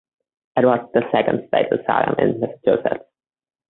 It was the second state asylum in Massachusetts.